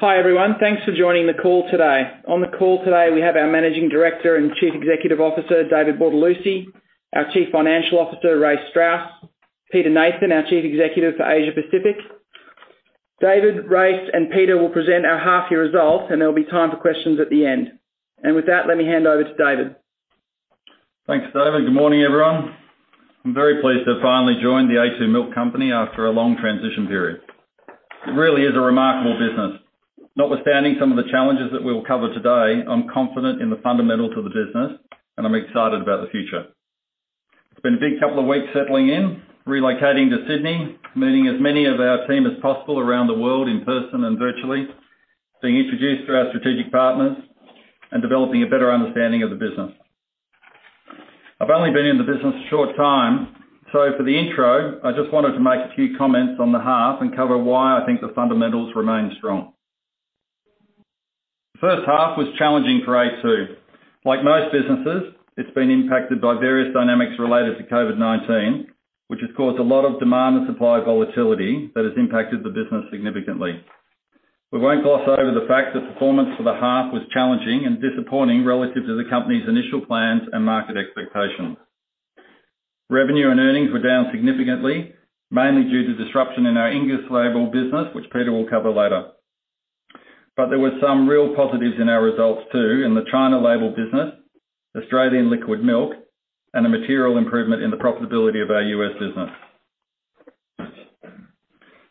Hi, everyone. Thanks for joining the call today. On the call today, we have our Managing Director and Chief Executive Officer, David Bortolussi, our Chief Financial Officer, Race Strauss, Peter Nathan, our Chief Executive for Asia Pacific. David, Race, and Peter will present our half year results, and there'll be time for questions at the end. With that, let me hand over to David. Thanks, David. Good morning, everyone. I'm very pleased to have finally joined The a2 Milk Company after a long transition period. It really is a remarkable business. Notwithstanding some of the challenges that we'll cover today, I'm confident in the fundamentals of the business. I'm excited about the future. It's been a big couple of weeks settling in, relocating to Sydney, meeting as many of our team as possible around the world in person and virtually, being introduced to our strategic partners, and developing a better understanding of the business. I've only been in the business a short time. For the intro, I just wanted to make a few comments on the half and cover why I think the fundamentals remain strong. The first half was challenging for a2. Like most businesses, it's been impacted by various dynamics related to COVID-19, which has caused a lot of demand and supply volatility that has impacted the business significantly. We won't gloss over the fact that performance for the half was challenging and disappointing relative to the company's initial plans and market expectations. Revenue and earnings were down significantly, mainly due to disruption in our English label business, which Peter will cover later. There were some real positives in our results, too, in the China label business, Australian liquid milk, and a material improvement in the profitability of our U.S. business.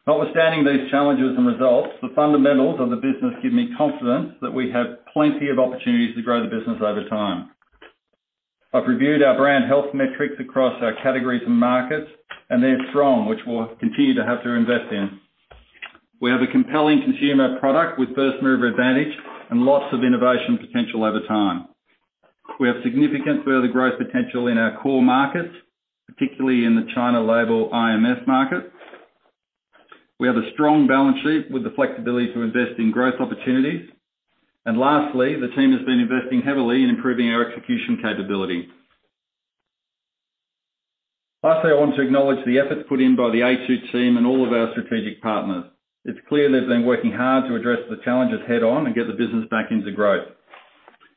Notwithstanding these challenges and results, the fundamentals of the business give me confidence that we have plenty of opportunities to grow the business over time. I've reviewed our brand health metrics across our categories and markets, and they're strong, which we'll continue to have to invest in. We have a compelling consumer product with first-mover advantage and lots of innovation potential over time. We have significant further growth potential in our core markets, particularly in the China label IMF market. We have a strong balance sheet with the flexibility to invest in growth opportunities. Lastly, the team has been investing heavily in improving our execution capability. Lastly, I want to acknowledge the efforts put in by the a2 team and all of our strategic partners. It's clear they've been working hard to address the challenges head-on and get the business back into growth.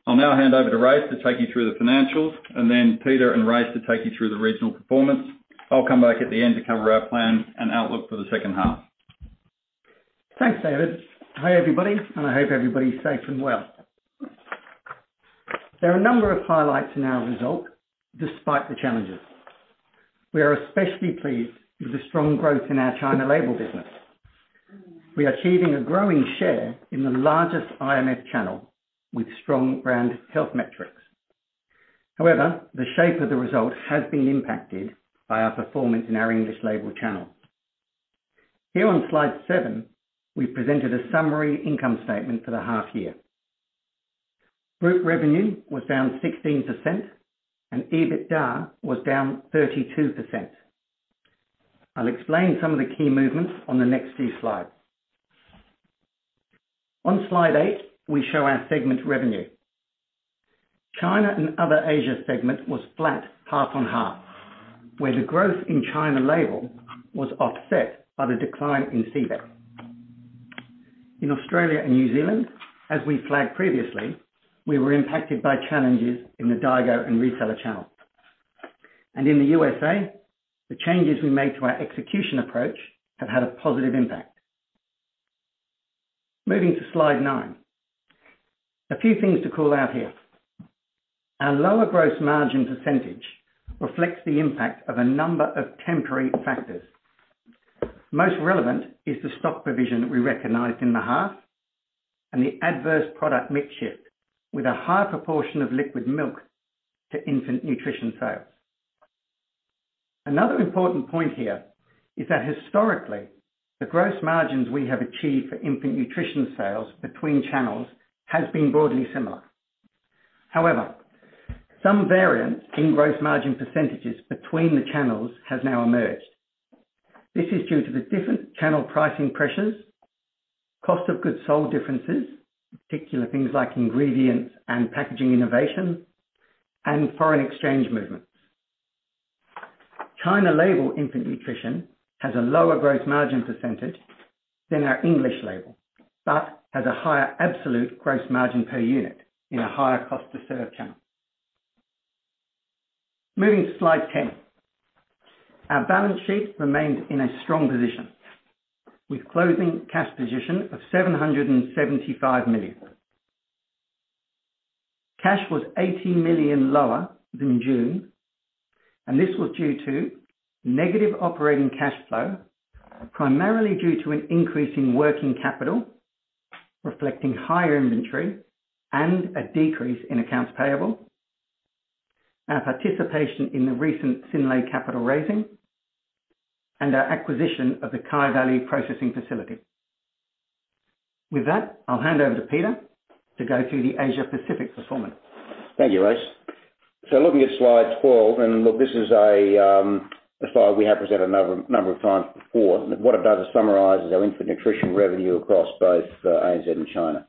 I'll now hand over to Race to take you through the financials, and then Peter and Race to take you through the regional performance. I'll come back at the end to cover our plan and outlook for the second half. Thanks, David. Hi, everybody, I hope everybody is safe and well. There are a number of highlights in our results despite the challenges. We are especially pleased with the strong growth in our China label business. We are achieving a growing share in the largest IMF channel with strong brand health metrics. However, the shape of the result has been impacted by our performance in our English label channel. Here on slide seven, we've presented a summary income statement for the half year. Group revenue was down 16%, and EBITDA was down 32%. I'll explain some of the key movements on the next few slides. On slide eight, we show our segment revenue. China and other Asia segment was flat half on half, where the growth in China label was offset by the decline in CBEC. In Australia and New Zealand, as we flagged previously, we were impacted by challenges in the daigou and reseller channel. In the U.S., the changes we made to our execution approach have had a positive impact. Moving to slide nine. A few things to call out here. Our lower gross margin percentage reflects the impact of a number of temporary factors. Most relevant is the stock provision that we recognized in the half and the adverse product mix shift with a higher proportion of liquid milk to infant nutrition sales. Another important point here is that historically, the gross margins we have achieved for infant nutrition sales between channels has been broadly similar. Some variance in gross margin percentages between the channels has now emerged. This is due to the different channel pricing pressures, cost of goods sold differences, particular things like ingredients and packaging innovation, and foreign exchange movements. China label infant nutrition has a lower gross margin percentage than our English label, but has a higher absolute gross margin per unit in a higher cost to serve channel. Moving to slide 10. Our balance sheet remained in a strong position with closing cash position of 775 million. Cash was 80 million lower than June. This was due to negative operating cash flow, primarily due to an increase in working capital, reflecting higher inventory and a decrease in accounts payable, our participation in the recent Synlait capital raising, and our acquisition of the Kyeburn processing facility. With that, I'll hand over to Peter to go through the Asia Pacific performance. Thank you, Race. Looking at slide 12, and look, this is a slide we have presented a number of times before. What it does is summarizes our infant nutrition revenue across both ANZ and China.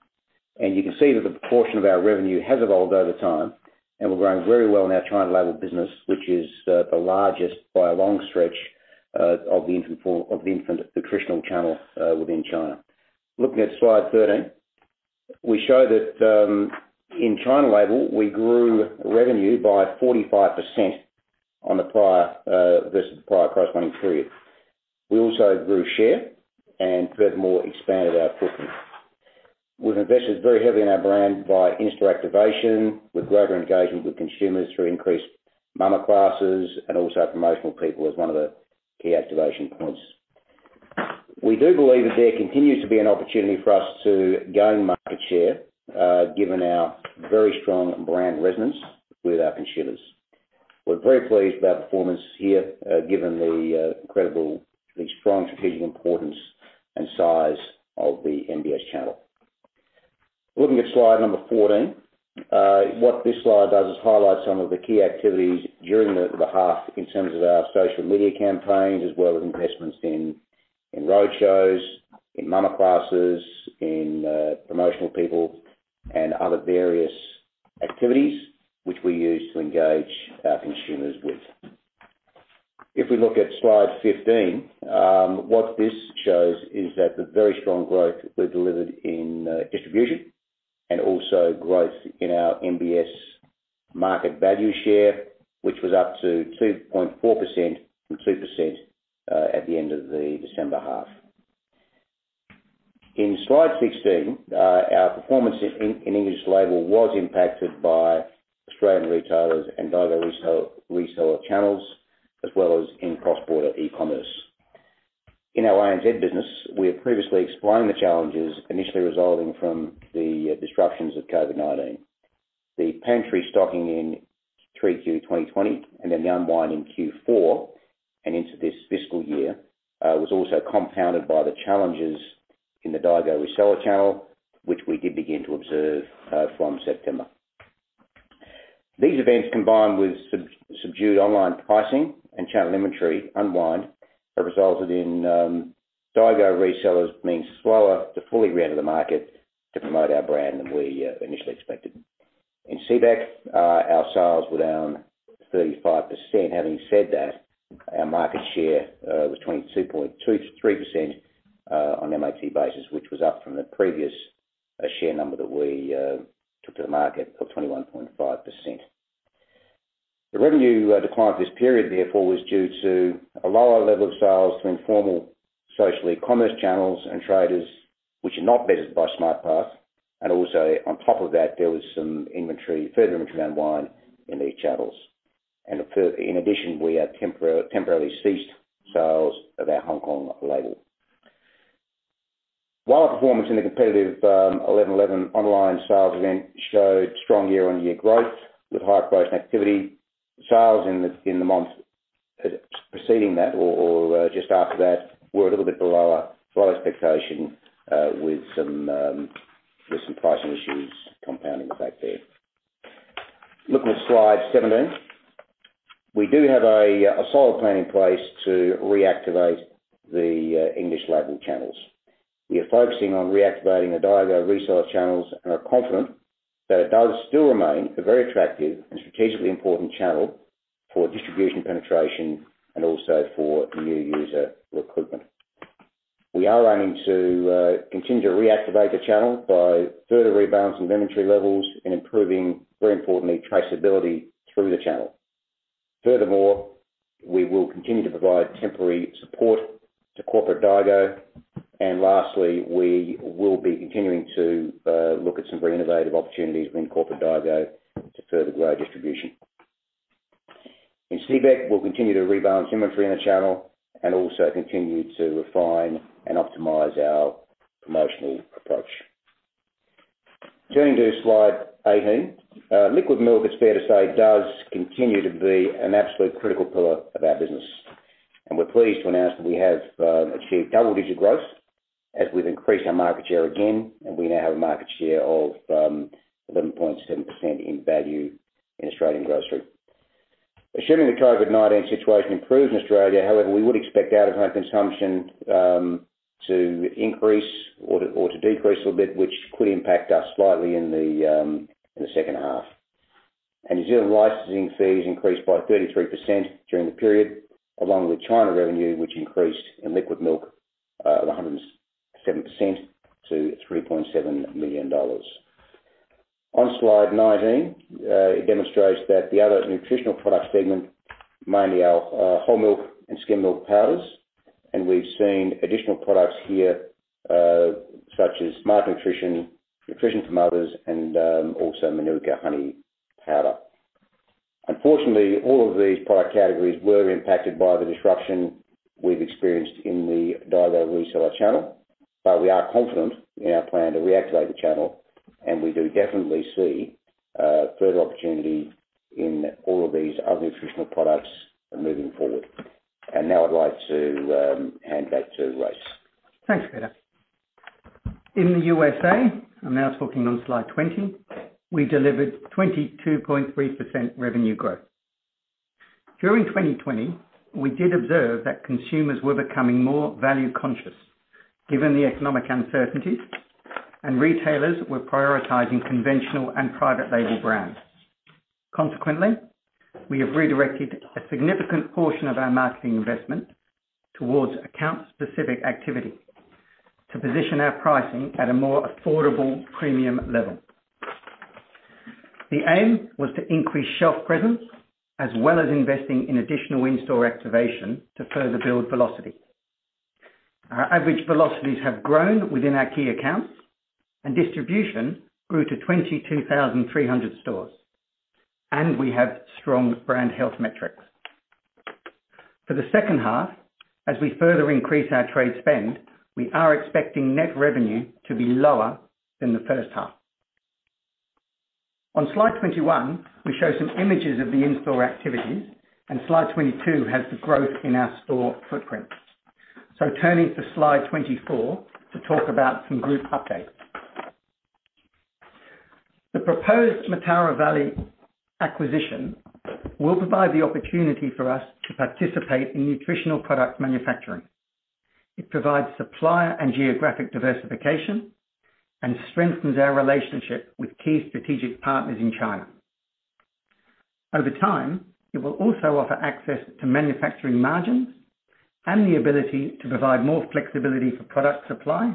You can see that the proportion of our revenue has evolved over time, and we're growing very well in our China label business, which is the largest by a long stretch of the infant nutritional channel within China. Looking at slide 13, we show that in China label, we grew revenue by 45% versus the prior corresponding period. We also grew share and furthermore expanded our footprint. We've invested very heavily in our brand by in-store activation with greater engagement with consumers through increased māmā classes and also promotional people as one of the key activation points. We do believe that there continues to be an opportunity for us to gain market share given our very strong brand resonance with our consumers. We're very pleased with our performance here given the incredibly strong strategic importance and size of the MBS channel. Looking at slide number 14, what this slide does is highlight some of the key activities during the half in terms of our social media campaigns as well as investments in road shows, in māmā classes, in promotional people, and other various activities which we use to engage our consumers with. If we look at slide 15, what this shows is that the very strong growth we've delivered in distribution and also growth in our MBS market value share, which was up to 2.4% from 2% at the end of the December half. In slide 16, our performance in English label was impacted by Australian retailers and daigou reseller channels, as well as in cross-border e-commerce. In our ANZ business, we have previously explained the challenges initially resulting from the disruptions of COVID-19. The pantry stocking in 3Q 2020 and then the unwind in Q4 and into this fiscal year, was also compounded by the challenges in the daigou reseller channel, which we did begin to observe from September. These events, combined with subdued online pricing and channel inventory unwind, have resulted in daigou resellers being slower to fully re-enter the market to promote our brand than we initially expected. In CBEC, our sales were down 35%. Having said that, our market share was 22.2%-23% on MAT basis, which was up from the previous share number that we took to the market of 21.5%. The revenue decline this period, therefore, was due to a lower level of sales to informal social e-commerce channels and traders, which are not vetted by SmartPath, and also on top of that, there was some further inventory unwind in these channels. In addition, we have temporarily ceased sales of our Hong Kong label. While our performance in the competitive 11.11 online sales event showed strong year-on-year growth with high growth and activity, sales in the months preceding that or just after that were a little bit below expectation with some pricing issues compounding the fact there. Looking at slide 17, we do have a solid plan in place to reactivate the English label channels. We are focusing on reactivating the daigou reseller channels and are confident that it does still remain a very attractive and strategically important channel for distribution penetration and also for new user recruitment. We are aiming to continue to reactivate the channel by further rebalancing inventory levels and improving, very importantly, traceability through the channel. Furthermore, we will continue to provide temporary support to corporate daigou. Lastly, we will be continuing to look at some very innovative opportunities within corporate daigou to further grow our distribution. In CBEC, we'll continue to rebalance inventory in the channel. Also, continue to refine and optimize our promotional approach. Turning to slide 18. Liquid milk, it's fair to say, does continue to be an absolute critical pillar of our business. We're pleased to announce that we have achieved double-digit growth as we've increased our market share again. We now have a market share of 11.7% in value in Australian grocery. Assuming the COVID-19 situation improves in Australia, however, we would expect out-of-home consumption to increase or to decrease a little bit, which could impact us slightly in the second half. New Zealand licensing fees increased by 33% during the period, along with China revenue, which increased in liquid milk at 107% to 3.7 million dollars. On slide 19, it demonstrates that the other nutritional products segment, mainly our whole milk and skim milk powders, and we've seen additional products here, such as Smart Nutrition, nutrition for mothers, and also Mānuka honey powder. Unfortunately, all of these product categories were impacted by the disruption we've experienced in the daigou reseller channel, but we are confident in our plan to reactivate the channel, and we do definitely see further opportunity in all of these other nutritional products moving forward. Now I'd like to hand back to Race. Thanks, Peter. In the U.S.A., I'm now talking on slide 20, we delivered 22.3% revenue growth. During 2020, we did observe that consumers were becoming more value-conscious given the economic uncertainties, and retailers were prioritizing conventional and private label brands. We have redirected a significant portion of our marketing investment towards account-specific activity to position our pricing at a more affordable premium level. The aim was to increase shelf presence as well as investing in additional in-store activation to further build velocity. Our average velocities have grown within our key accounts. Distribution grew to 22,300 stores, and we have strong brand health metrics. For the second half, as we further increase our trade spend, we are expecting net revenue to be lower than the first half. On slide 21, we show some images of the in-store activities. Slide 22 has the growth in our store footprint. Turning to slide 24 to talk about some group updates. The proposed Mataura Valley acquisition will provide the opportunity for us to participate in nutritional product manufacturing. It provides supplier and geographic diversification and strengthens our relationship with key strategic partners in China. Over time, it will also offer access to manufacturing margins and the ability to provide more flexibility for product supply,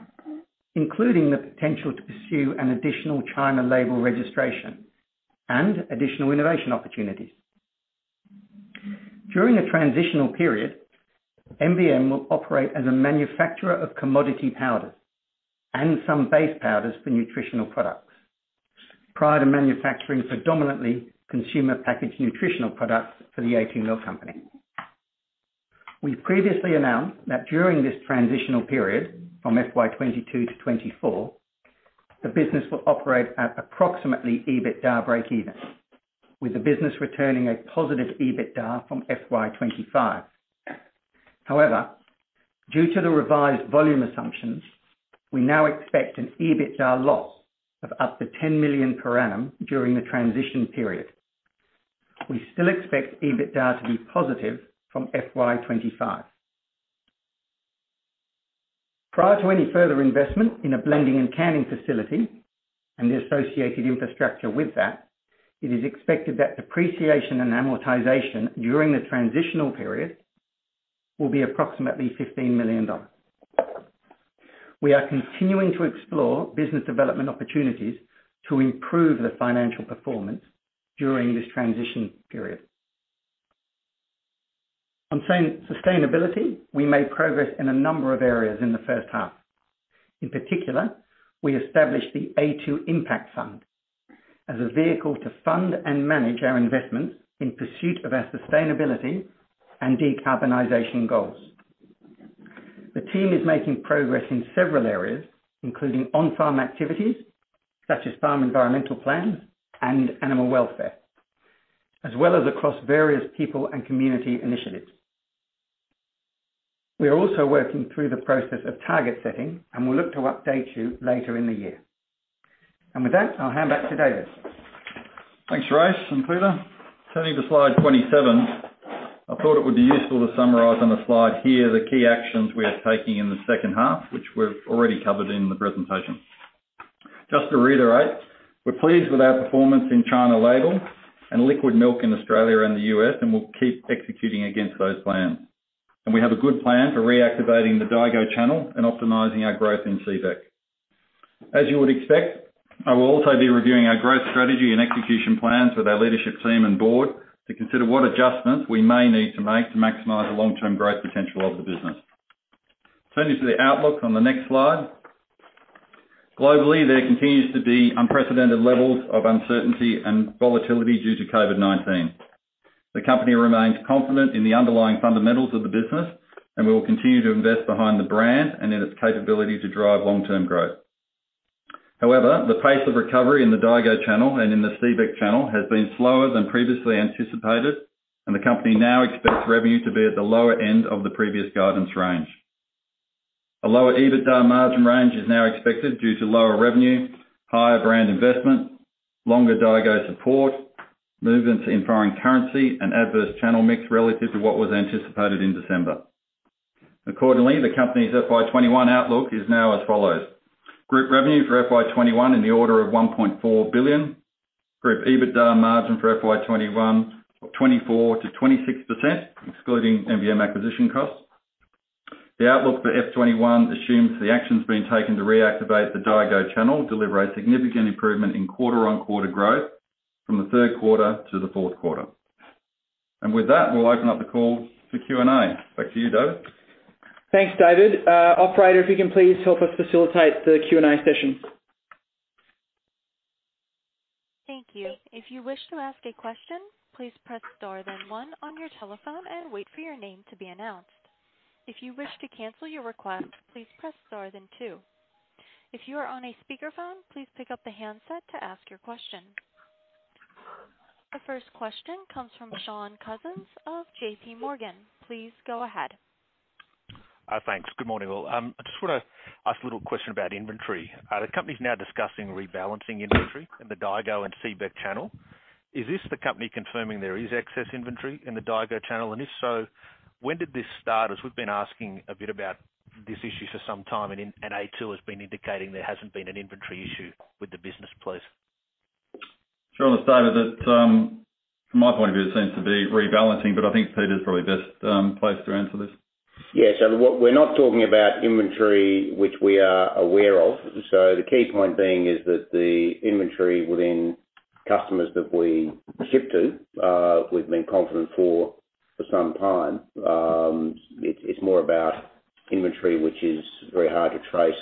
including the potential to pursue an additional China label registration and additional innovation opportunities. During the transitional period, MVM will operate as a manufacturer of commodity powders and some base powders for nutritional products, prior to manufacturing predominantly consumer-packaged nutritional products for The a2 Milk Company. We've previously announced that during this transitional period from FY 2022 to 2024, the business will operate at approximately EBITDA breakeven, with the business returning a positive EBITDA from FY 2025. Due to the revised volume assumptions, we now expect an EBITDA loss of up to 10 million per annum during the transition period. We still expect EBITDA to be positive from FY 2025. Prior to any further investment in a blending and canning facility and the associated infrastructure with that, it is expected that depreciation and amortization during the transitional period will be approximately 15 million dollars. We are continuing to explore business development opportunities to improve the financial performance during this transition period. On sustainability, we made progress in a number of areas in the first half. In particular, we established the a2 Impact Fund as a vehicle to fund and manage our investments in pursuit of our sustainability and decarbonization goals. The team is making progress in several areas, including on-farm activities, such as farm environmental plans and animal welfare, as well as across various people and community initiatives. We are also working through the process of target setting, and we'll look to update you later in the year. With that, I'll hand back to David. Thanks, Race and Peter. Turning to slide 27, I thought it would be useful to summarize on the slide here the key actions we are taking in the second half, which we've already covered in the presentation. Just to reiterate, we're pleased with our performance in China label and liquid milk in Australia and the U.S., and we'll keep executing against those plans. We have a good plan for reactivating the daigou channel and optimizing our growth in CBEC. As you would expect, I will also be reviewing our growth strategy and execution plans with our leadership team and board to consider what adjustments we may need to make to maximize the long-term growth potential of the business. Turning to the outlook on the next slide. Globally, there continues to be unprecedented levels of uncertainty and volatility due to COVID-19. The company remains confident in the underlying fundamentals of the business, and we will continue to invest behind the brand and in its capability to drive long-term growth. The pace of recovery in the daigou channel and in the CBEC channel has been slower than previously anticipated, and the company now expects revenue to be at the lower end of the previous guidance range. A lower EBITDA margin range is now expected due to lower revenue, higher brand investment, longer daigou support, movements in foreign currency, and adverse channel mix relative to what was anticipated in December. The company's FY 2021 outlook is now as follows. Group revenue for FY 2021 in the order of 1.4 billion. Group EBITDA margin for FY 2021 of 24%-26%, excluding MVM acquisition costs. The outlook for FY 2021 assumes the actions being taken to reactivate the daigou channel deliver a significant improvement in quarter-on-quarter growth from the third quarter to the fourth quarter. With that, we'll open up the call to Q&A. Back to you, David. Thanks, David. Operator, if you can please help us facilitate the Q&A session. Thank you. If you wish to ask a question please press star then one on your telephone and wait for your name to be announced. If you wish to cancel your request please star then two. If you are on a speaker phone please pick up your handset to ask a question. The first question comes from Shaun Cousins of JPMorgan. Please go ahead. Thanks. Good morning, all. I just want to ask a little question about inventory. The company's now discussing rebalancing inventory in the daigou and CBEC channel. Is this the company confirming there is excess inventory in the daigou channel? If so, when did this start? As we've been asking a bit about this issue for some time, and a2 has been indicating there hasn't been an inventory issue with the business, please. Sure. I'll start with that. From my point of view, it seems to be rebalancing, but I think Peter is probably best placed to answer this. We're not talking about inventory, which we are aware of. The key point being is that the inventory within customers that we ship to, we've been confident for some time. It's more about inventory which is very hard to trace,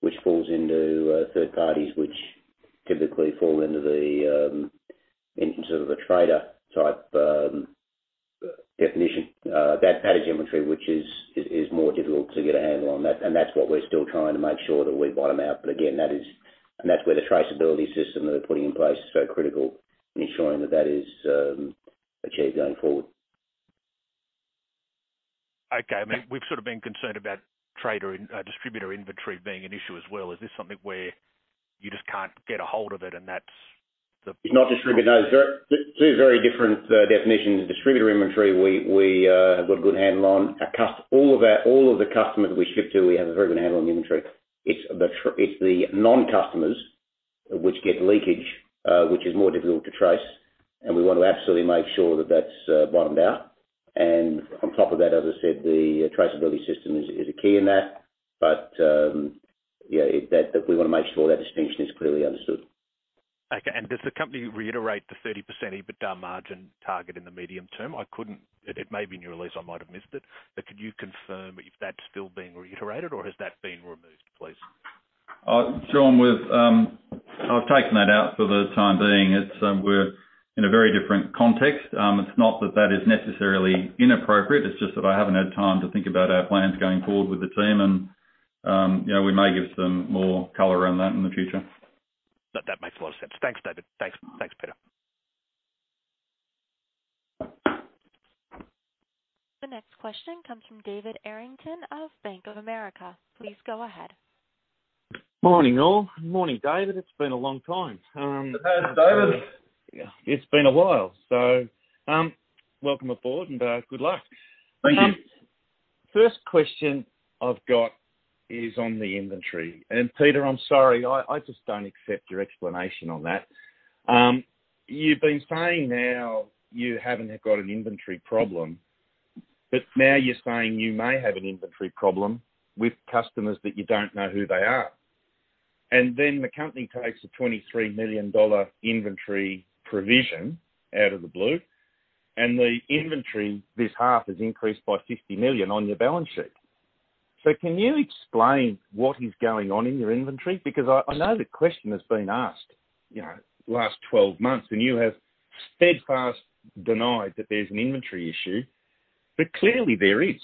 which falls into third parties, which typically fall into the trader type definition, that pattern of inventory, which is more difficult to get a handle on that. That's what we're still trying to make sure that we bottom out. Again, that's where the traceability system that we're putting in place is so critical in ensuring that is achieved going forward. Okay. We've sort of been concerned about distributor inventory being an issue as well. Is this something where you just can't get a hold of it and that's the-? It's not distributor. Two very different definitions. The distributor inventory, we have got a good handle on. All of the customers that we ship to, we have a very good handle on the inventory. It's the non-customers which get leakage, which is more difficult to trace, and we want to absolutely make sure that's bottomed out. On top of that, as I said, the traceability system is a key in that. Yeah, we want to make sure that distinction is clearly understood. Okay. Does the company reiterate the 30% EBITDA margin target in the medium term? It may be in your release, I might have missed it. Could you confirm if that's still being reiterated or has that been removed, please? Shaun, I've taken that out for the time being. We're in a very different context. It's not that that is necessarily inappropriate, it's just that I haven't had time to think about our plans going forward with the team and we may give some more color around that in the future. That makes a lot of sense. Thanks, David. Thanks, Peter. The next question comes from David Errington of Bank of America. Please go ahead. Morning, all. Morning, David. It has been a long time. Hey, David. It's been a while. Welcome aboard and good luck. Thank you. First question I've got is on the inventory. Peter, I'm sorry, I just don't accept your explanation on that. You've been saying now you haven't got an inventory problem, but now you're saying you may have an inventory problem with customers that you don't know who they are. Then the company takes a 23 million dollar inventory provision out of the blue, and the inventory this half has increased by 50 million on your balance sheet. Can you explain what is going on in your inventory? I know the question has been asked last 12 months, and you have steadfast denied that there's an inventory issue, but clearly there is.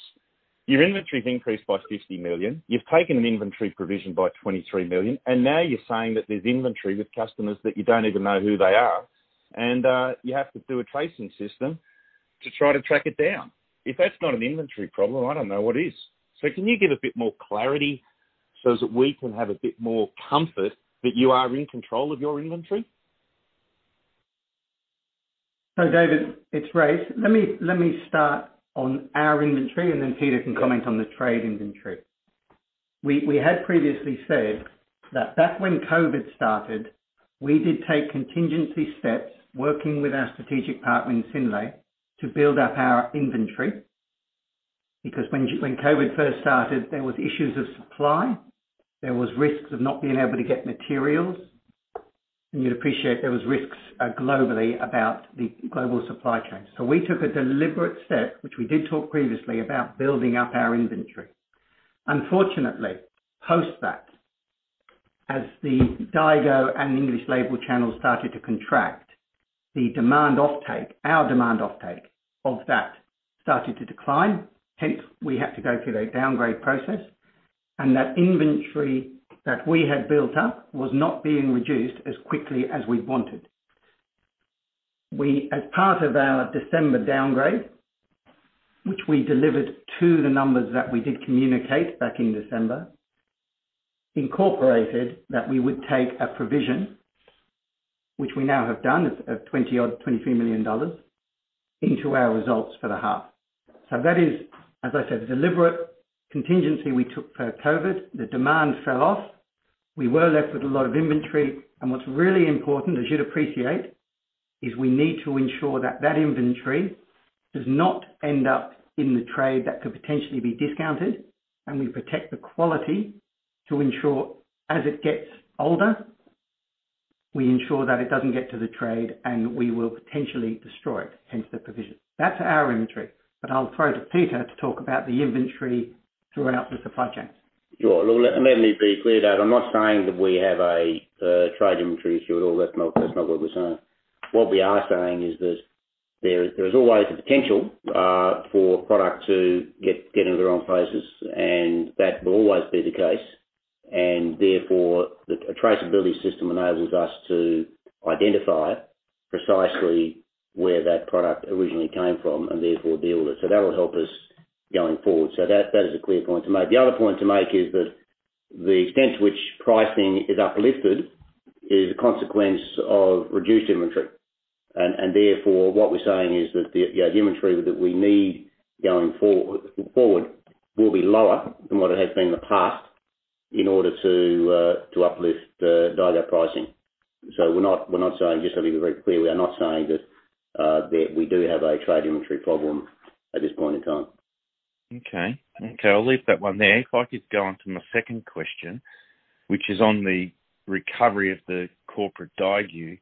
Your inventory's increased by 50 million. You've taken an inventory provision by 23 million. Now you're saying that there's inventory with customers that you don't even know who they are, and you have to do a tracing system to try to track it down. If that's not an inventory problem, I don't know what is. Can you give a bit more clarity so that we can have a bit more comfort that you are in control of your inventory? David, it's Race. Let me start on our inventory, and then Peter can comment on the trade inventory. We had previously said that back when COVID started, we did take contingency steps working with our strategic partner in Synlait to build up our inventory. When COVID first started, there was issues of supply, there was risks of not being able to get materials, and you'd appreciate there was risks globally about the global supply chain. We took a deliberate step, which we did talk previously about building up our inventory. Unfortunately, post that, as the daigou and English label channels started to contract, the demand offtake, our demand offtake of that started to decline. Hence, we had to go through that downgrade process, and that inventory that we had built up was not being reduced as quickly as we wanted. As part of our December downgrade, which we delivered to the numbers that we did communicate back in December, incorporated that we would take a provision, which we now have done of 20 odd, 23 million dollars into our results for the half. That is, as I said, a deliberate contingency we took for COVID. The demand fell off. We were left with a lot of inventory. What's really important, as you'd appreciate, is we need to ensure that inventory does not end up in the trade that could potentially be discounted, and we protect the quality to ensure as it gets older, we ensure that it doesn't get to the trade and we will potentially destroy it, hence the provision. That's our inventory. I'll throw to Peter to talk about the inventory throughout the supply chain. Sure. Let me be clear, David. I'm not saying that we have a trade inventory issue at all. That's not what we're saying. What we are saying is that there is always a potential for product to get into the wrong places, and that will always be the case. Therefore, a traceability system enables us to identify precisely where that product originally came from and therefore deal with it. That will help us going forward. That is a clear point to make. The other point to make is that the extent to which pricing is uplifted is a consequence of reduced inventory. What we're saying is that the inventory that we need going forward will be lower than what it has been in the past in order to uplift the daigou pricing. Just so we're very clear, we are not saying that we do have a trade inventory problem at this point in time. I'll leave that one there. If I could go on to my second question, which is on the recovery of the corporate daigou.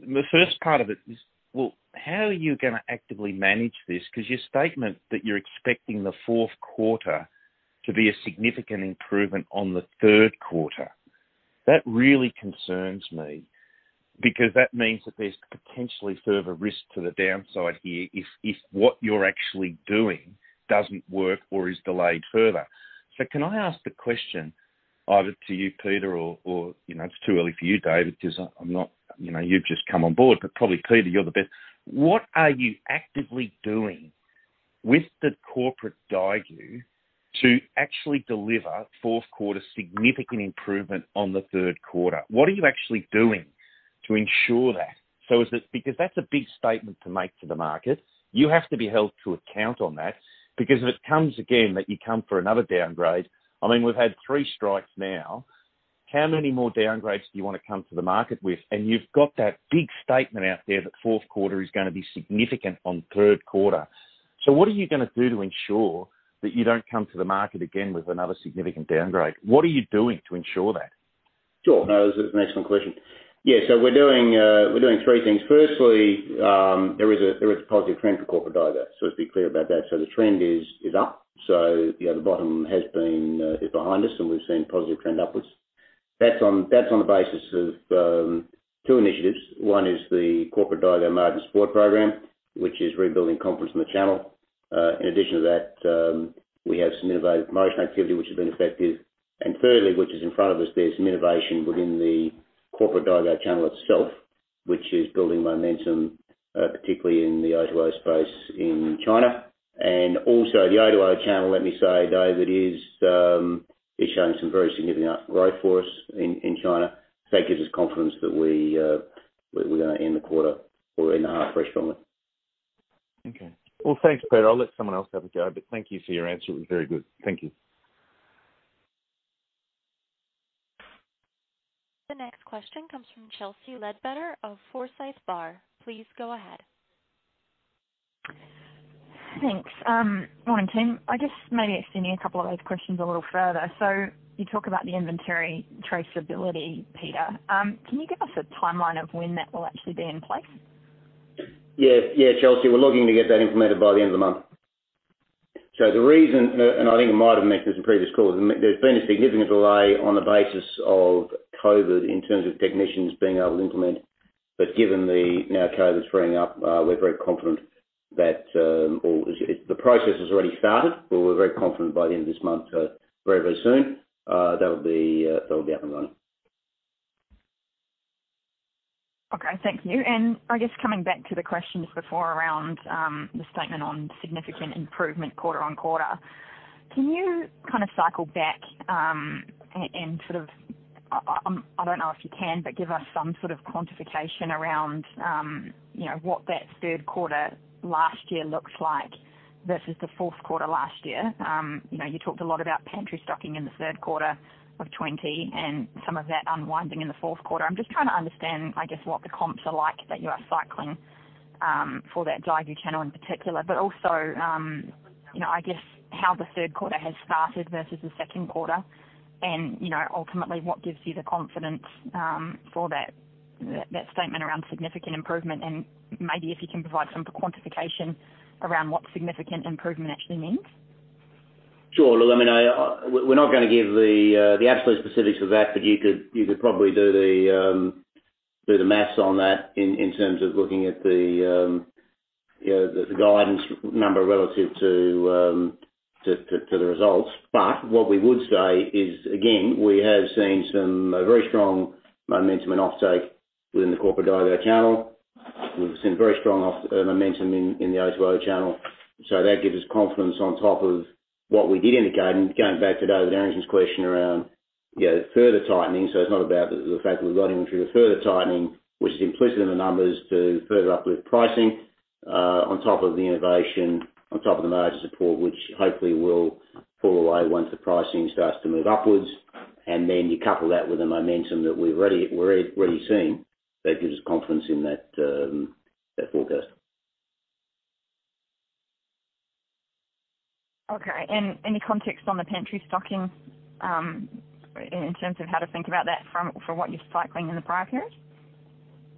The first part of it is, well, how are you going to actively manage this? Your statement that you're expecting the fourth quarter to be a significant improvement on the third quarter, that really concerns me because that means that there's potentially further risk to the downside here if what you're actually doing doesn't work or is delayed further. Can I ask the question either to you, Peter, or it's too early for you, David, because you've just come on board, but probably Peter, you're the best. What are you actively doing with the corporate daigou to actually deliver fourth quarter significant improvement on the third quarter? What are you actually doing to ensure that? That's a big statement to make to the market. You have to be held to account on that, because if it comes again, that you come for another downgrade, we've had three strikes now. How many more downgrades do you want to come to the market with? You've got that big statement out there that fourth quarter is going to be significant on third quarter. What are you going to do to ensure that you don't come to the market again with another significant downgrade? What are you doing to ensure that? That's an excellent question. We're doing three things. Firstly, there is a positive trend for corporate daigou. Let's be clear about that. The trend is up. The bottom is behind us, and we've seen positive trend upwards. That's on the basis of two initiatives. One is the corporate daigou margin support program, which is rebuilding confidence in the channel. In addition to that, we have some innovative promotion activity, which has been effective. Thirdly, which is in front of us, there's some innovation within the corporate daigou channel itself, which is building momentum, particularly in the O2O space in China. Also the O2O channel, let me say, David, is showing some very significant growth for us in China. That gives us confidence that we're going to end the quarter or end the half finish strongly. Okay. Well, thanks, Peter. I'll let someone else have a go, but thank you for your answer. It was very good. Thank you. The next question comes from Chelsea Leadbetter of Forsyth Barr. Please go ahead. Thanks. Morning, team. I guess maybe extending a couple of those questions a little further. You talk about the inventory traceability, Peter. Can you give us a timeline of when that will actually be in place? Yeah. Chelsea, we're looking to get that implemented by the end of the month. The reason, and I think I might have mentioned this in previous calls, there's been a significant delay on the basis of COVID in terms of technicians being able to implement. Given now COVID's freeing up, we're very confident that the process has already started. We're very confident by the end of this month, very soon, that'll be up and running. Okay. Thank you. I guess coming back to the questions before around the statement on significant improvement quarter-on-quarter, can you kind of cycle back and sort of, I don't know if you can, but give us some sort of quantification around what that third quarter last year looks like versus the fourth quarter last year? You talked a lot about pantry stocking in the third quarter of 2020 and some of that unwinding in the fourth quarter. I'm just trying to understand, I guess, what the comps are like that you are cycling for that daigou channel in particular, but also, I guess, how the third quarter has started versus the second quarter, and ultimately what gives you the confidence for that statement around significant improvement and maybe if you can provide some quantification around what significant improvement actually means. Sure. Look, we’re not going to give the absolute specifics of that, but you could probably do the math on that in terms of looking at the guidance number relative to the results. What we would say is, again, we have seen some very strong momentum and offtake within the corporate daigou channel. We’ve seen very strong momentum in the O2O channel. That gives us confidence on top of what we did indicate. Going back to David Errington’s question around further tightening. It’s not about the fact that we’ve got inventory, the further tightening, which is implicit in the numbers to further uplift pricing on top of the innovation, on top of the margin support, which hopefully will fall away once the pricing starts to move upwards. Then you couple that with the momentum that we’re already seeing, that gives us confidence in that forecast. Okay. Any context on the pantry stocking in terms of how to think about that from what you're cycling in the prior period?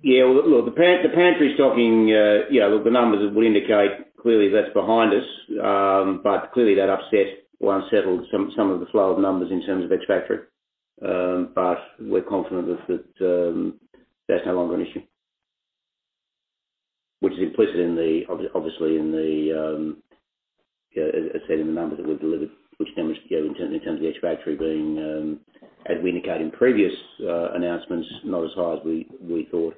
Yeah. Look, the pantry stocking, look, the numbers would indicate clearly that's behind us. Clearly that upset or unsettled some of the flow of numbers in terms of its factory. We're confident that that's no longer an issue, which is implicit, obviously, in the set of the numbers that we've delivered, which damaged in terms of the H factory being, as we indicated in previous announcements, not as high as we thought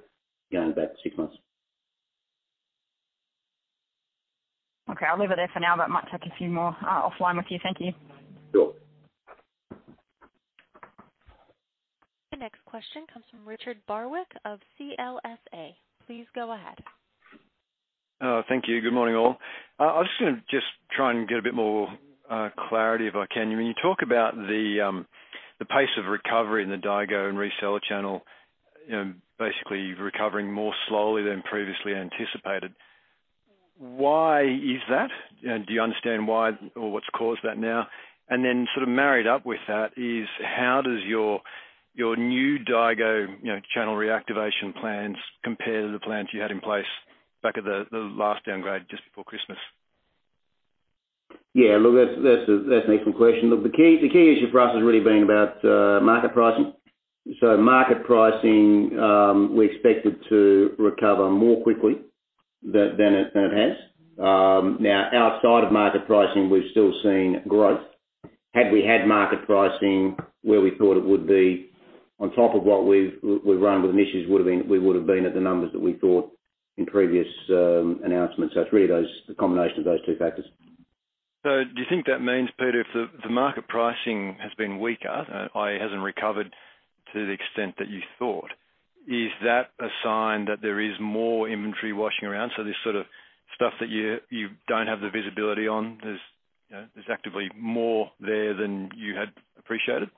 going back six months. Okay. I'll leave it there for now, might take a few more offline with you. Thank you. Sure. The next question comes from Richard Barwick of CLSA. Please go ahead. Thank you. Good morning, all. I was going to just try and get a bit more clarity if I can. When you talk about the pace of recovery in the daigou and reseller channel, basically recovering more slowly than previously anticipated, why is that? Do you understand why or what's caused that now? Sort of married up with that is, how does your new daigou channel reactivation plans compare to the plans you had in place back at the last downgrade just before Christmas? Yeah. Look, that's an excellent question. Look, the key issue for us has really been about market pricing. Market pricing, we expected to recover more quickly than it has. Now, outside of market pricing, we've still seen growth. Had we had market pricing where we thought it would be on top of what we've run with initiatives, we would've been at the numbers that we thought in previous announcements. It's really the combination of those two factors. Do you think that means, Peter, if the market pricing has been weaker, i.e. hasn't recovered to the extent that you thought, is that a sign that there is more inventory washing around? This sort of stuff that you don't have the visibility on, there's actively more there than you had appreciated?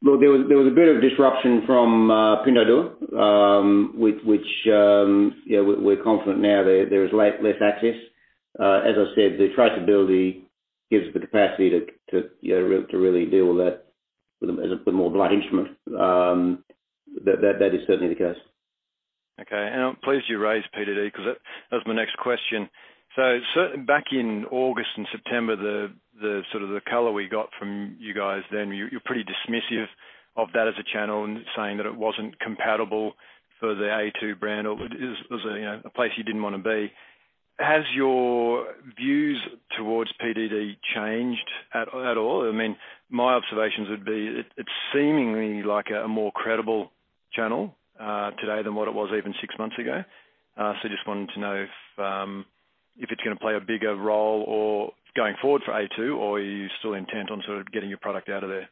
Look, there was a bit of disruption from Pinduoduo, which we're confident now there is less access. As I said, the traceability gives the capacity to really deal with that with a bit more blunt instrument. That is certainly the case. Okay. I'm pleased you raised PDD, because that was my next question. Certainly back in August and September, the color we got from you guys then, you're pretty dismissive of that as a channel and saying that it wasn't compatible for the a2 brand or it was a place you didn't want to be. Has your views towards PDD changed at all? My observations would be, it's seemingly like a more credible channel today than what it was even six months ago. Just wanted to know if it's going to play a bigger role or going forward for a2 or are you still intent on sort of getting your product out of there?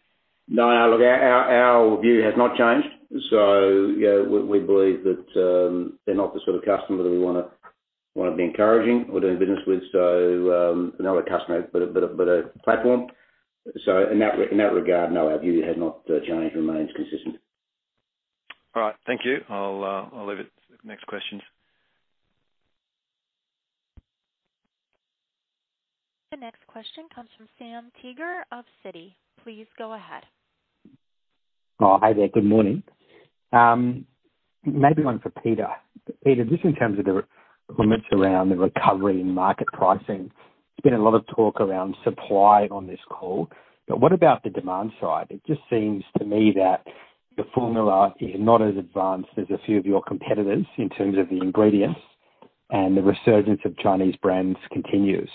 No, look, our view has not changed. We believe that they're not the sort of customer that we want to be encouraging or doing business with. Not a customer, but a platform. In that regard, no, our view has not changed. Remains consistent. All right. Thank you. I'll leave it. Next questions. The next question comes from Sam Teeger of Citi. Please go ahead. Oh, hi there. Good morning. Maybe one for Peter. Peter, just in terms of the comments around the recovery and market pricing, there's been a lot of talk around supply on this call. What about the demand side? It just seems to me that the formula is not as advanced as a few of your competitors in terms of the ingredients and the resurgence of Chinese brands continues.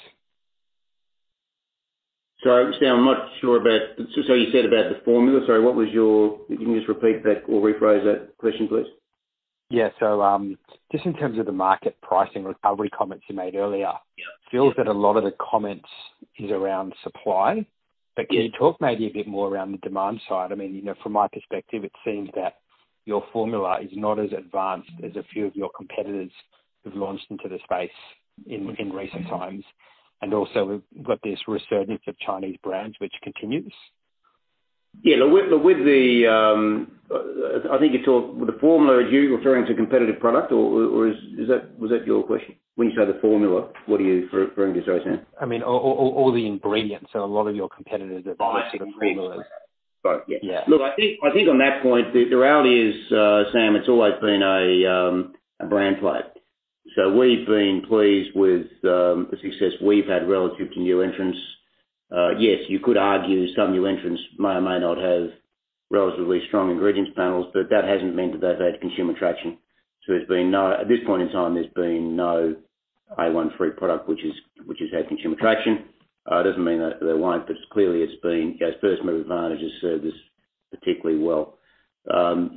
Sorry, Sam, I'm not sure about. You said about the formula. Sorry, what was your? If you can just repeat that or rephrase that question, please. Yeah. Just in terms of the market pricing recovery comments you made earlier. Yeah. Feels that a lot of the comments is around supply. Can you talk maybe a bit more around the demand side? From my perspective, it seems that your formula is not as advanced as a few of your competitors who've launched into the space in recent times, and also we've got this resurgence of Chinese brands which continues. Yeah. With the formula, are you referring to competitive product or was that your question? When you say the formula, what are you referring to, sorry, Sam? All the ingredients that a lot of your competitors are- Buying. -using in their formulas. Right. Yeah. Yeah. Look, I think on that point, the reality is, Sam, it's always been a brand play. We've been pleased with the success we've had relative to new entrants. Yes, you could argue some new entrants may or may not have relatively strong ingredients panels, but that hasn't meant that they've had consumer traction. At this point in time, there's been no a1 free product which has had consumer traction. It doesn't mean that there won't, but clearly it's been, first-mover advantage has served us particularly well.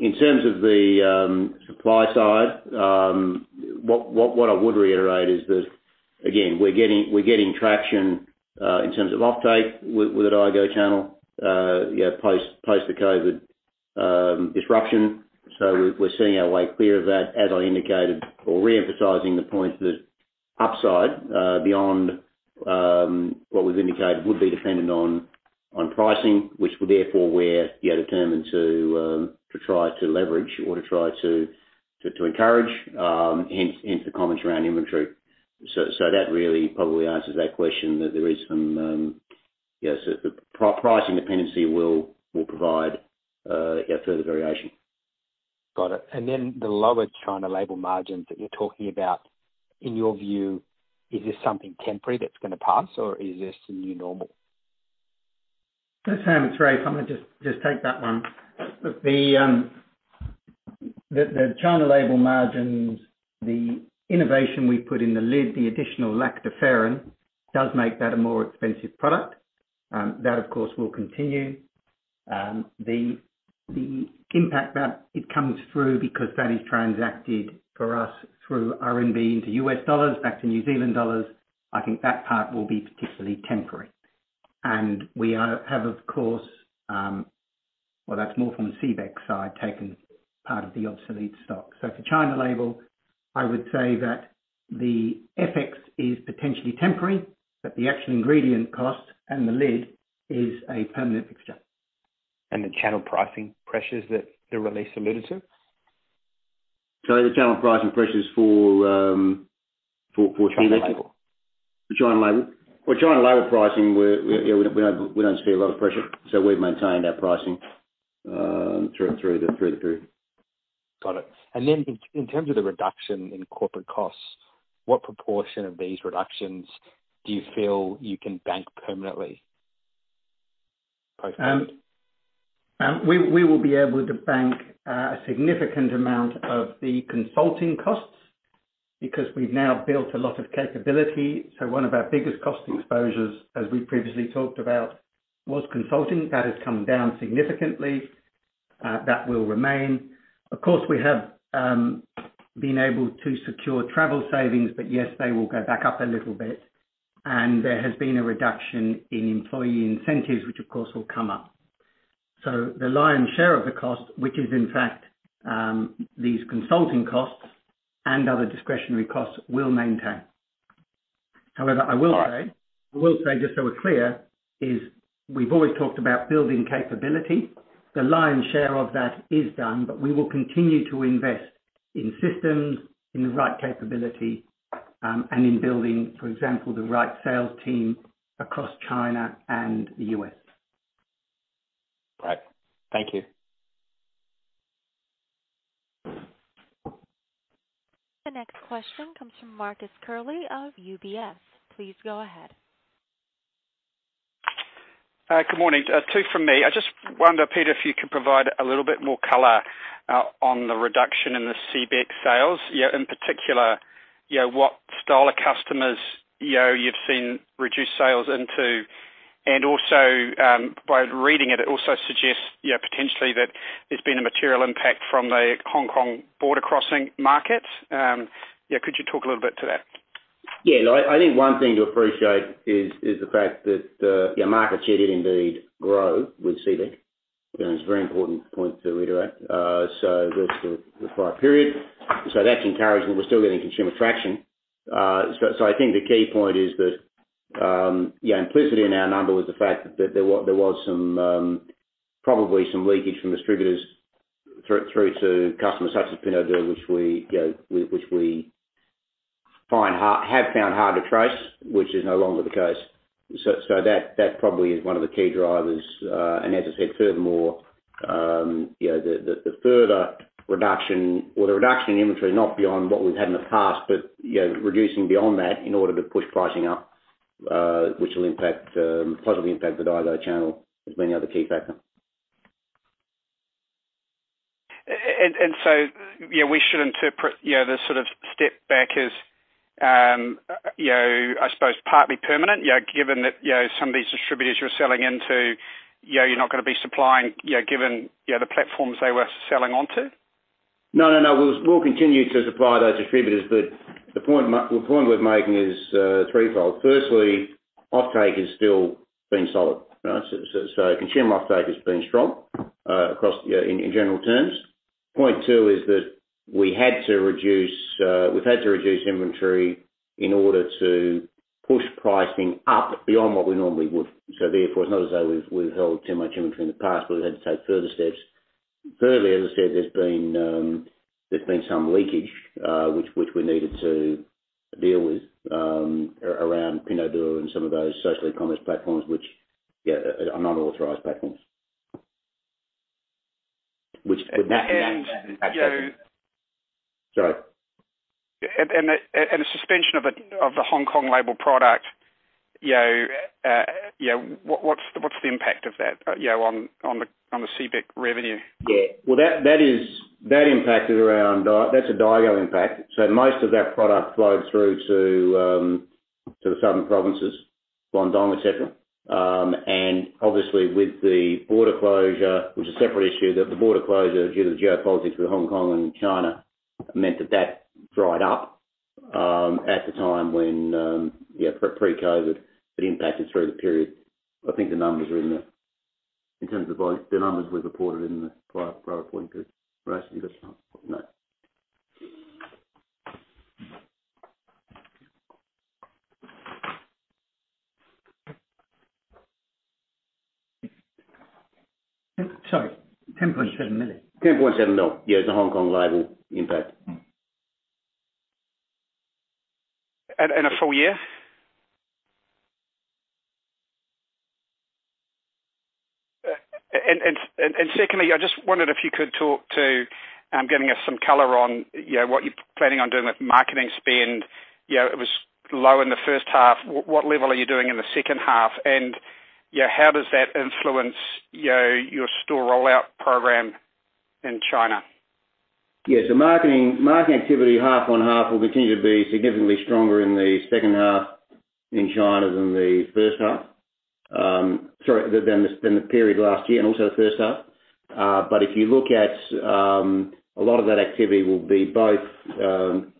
In terms of the supply side, what I would reiterate is that, again, we're getting traction in terms of offtake with the daigou channel post the COVID-19 disruption. We're seeing our way clear of that, as I indicated or re-emphasizing the point that upside beyond what we've indicated would be dependent on pricing, which therefore we're determined to try to leverage or to try to encourage, hence the comments around inventory. That really probably answers that question, that there is some pricing dependency will provide further variation. Got it. Then the lower China label margins that you're talking about, in your view, is this something temporary that's going to pass or is this the new normal? Sam, it's Race. I'm going to just take that one. The China label margins, the innovation we put in the lid, the additional lactoferrin, does make that a more expensive product. That, of course, will continue. The impact that it comes through because that is transacted for us through RMB into US dollars, back to New Zealand dollars, I think that part will be particularly temporary. We have, of course, well, that's more from the CBEC side, taken part of the obsolete stock. For China label, I would say that the FX is potentially temporary, but the actual ingredient cost and the lid is a permanent fixture. The channel pricing pressures that the release alluded to? The channel pricing pressures for CBEC? China label. The China label. For China label pricing, we don't see a lot of pressure, so we've maintained our pricing through the period. Got it. Then in terms of the reduction in corporate costs, what proportion of these reductions do you feel you can bank permanently post-COVID? We will be able to bank a significant amount of the consulting costs because we've now built a lot of capability. One of our biggest cost exposures, as we previously talked about, was consulting. That has come down significantly. That will remain. Of course, we have been able to secure travel savings, but yes, they will go back up a little bit. There has been a reduction in employee incentives, which of course will come up. The lion's share of the cost, which is in fact these consulting costs and other discretionary costs, we'll maintain. I will say, just so we're clear, is we've always talked about building capability. The lion's share of that is done, but we will continue to invest in systems, in the right capability, and in building, for example, the right sales team across China and the U.S. Right. Thank you. The next question comes from Marcus Curley of UBS. Please go ahead. Good morning. Two from me. I just wonder, Peter, if you could provide a little bit more color on the reduction in the CBEC sales. In particular, what style of customers you've seen reduced sales into, and also, by reading it also suggests potentially that there's been a material impact from the Hong Kong border crossing market. Could you talk a little bit to that? Yeah, no, I think one thing to appreciate is the fact that your market share did indeed grow with CBEC, and it's a very important point to reiterate. That's the prior period. That's encouraging. We're still getting consumer traction. I think the key point is that, implicitly in our number was the fact that there was probably some leakage from distributors through to customers such as Pinduoduo, which we have found hard to trace, which is no longer the case. That probably is one of the key drivers. As I said, furthermore, the further reduction, or the reduction in inventory, not beyond what we've had in the past, but reducing beyond that in order to push pricing up, which will positively impact the daigou channel is the other key factor. We should interpret this sort of step back as, I suppose partly permanent, given that some of these distributors you're selling into, you're not going to be supplying, given the platforms they were selling onto? We'll continue to supply those distributors. The point we're making is threefold. Firstly, offtake has still been solid. Consumer offtake has been strong in general terms. Point two is that we've had to reduce inventory in order to push pricing up beyond what we normally would. Therefore, it's not as though we've held too much inventory in the past, but we've had to take further steps. Thirdly, as I said, there's been some leakage, which we needed to deal with, around Pinduoduo and some of those social e-commerce platforms, which are not authorized platforms. And- Sorry. The suspension of the Hong Kong label product, what's the impact of that on the CBEC revenue? Yeah. Well, that's daigou impact. Most of that product flowed through to the southern provinces, Guangdong, et cetera. Obviously with the border closure, which is a separate issue, that the border closure due to the geopolitics with Hong Kong and China meant that that dried up at the time when, pre-COVID, it impacted through the period. I think the numbers are in there. In terms of volume, the numbers were reported in the prior reporting period. Race, you've got the numbers? No. Sorry, 10.7 million. 10.7 mil. Yeah, the Hong Kong label impact. A full year? Secondly, I just wondered if you could talk to giving us some color on what you're planning on doing with marketing spend. It was low in the first half. What level are you doing in the second half? How does that influence your store rollout program in China? Yeah. Marketing activity half on half will continue to be significantly stronger in the second half in China than the period last year and also the first half. If you look at, a lot of that activity will be both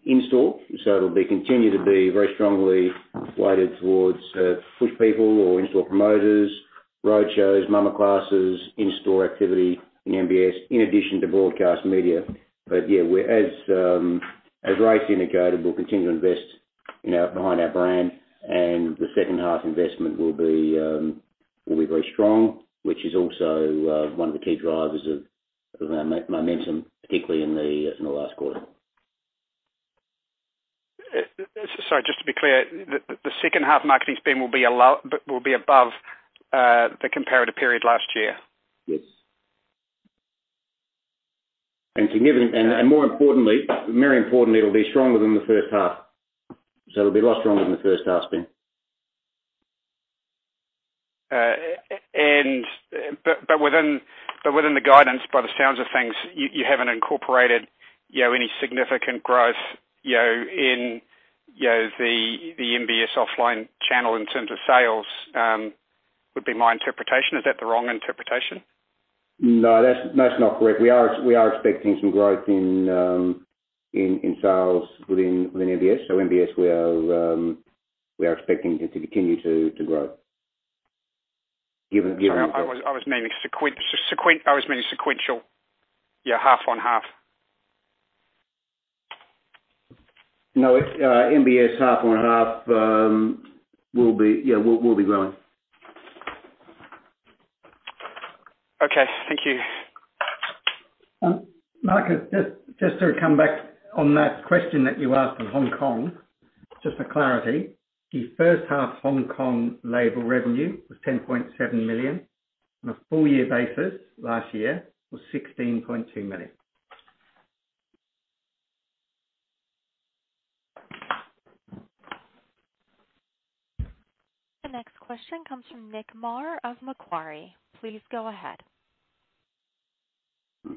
in-store. It'll continue to be very strongly weighted towards push people or in-store promoters, roadshows, māmā classes, in-store activity in MBS, in addition to broadcast media. Yeah, as Race indicated, we'll continue to invest behind our brand, and the second half investment will be very strong, which is also one of the key drivers of our momentum, particularly in the last quarter. Sorry, just to be clear, the second half marketing spend will be above the comparative period last year? Yes. More importantly, very importantly, it'll be stronger than the first half. It'll be a lot stronger than the first half spend. Within the guidance, by the sounds of things, you haven't incorporated any significant growth in the MBS offline channel in terms of sales, would be my interpretation. Is that the wrong interpretation? No, that's not correct. We are expecting some growth in sales within MBS. MBS, we are expecting it to continue to grow given- I was meaning sequential. Yeah, half on half. No, MBS half on half will be growing. Okay. Thank you. Mark, just to come back on that question that you asked on Hong Kong, just for clarity, the first half Hong Kong label revenue was 10.7 million, on a full year basis last year was 16.2 million. The next question comes from Nick Mar of Macquarie. Please go ahead.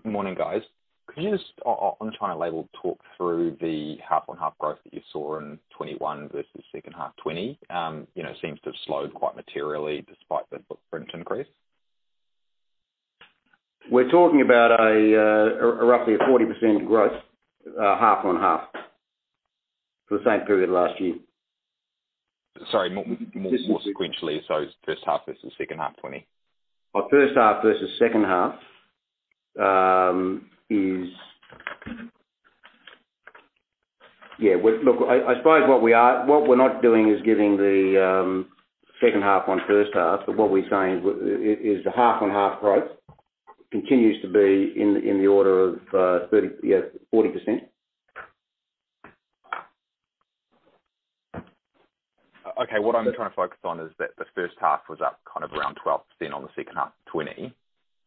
Morning, guys. Could you just, on the China label, talk through the half on half growth that you saw in 2021 versus second half 2020? Seems to have slowed quite materially despite the footprint increase. We're talking about roughly a 40% growth, half on half, for the same period last year. Sorry, more sequentially, first half versus second half 2020. First half versus second half, Yeah, look, I suppose what we're not doing is giving the second half on first half, what we're saying is the half on half growth continues to be in the order of 40%. Okay. What I'm trying to focus on is that the first half was up kind of around 12% on the second half 2020,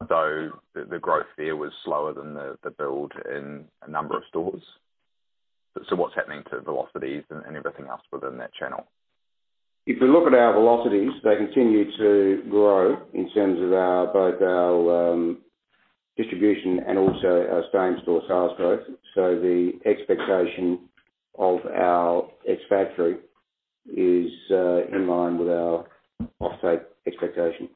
though the growth there was slower than the build in a number of stores. What's happening to velocities and everything else within that channel? If you look at our velocities, they continue to grow in terms of both our distribution and also our same-store sales growth. The expectation of our ex-factory is in line with our off-take expectation.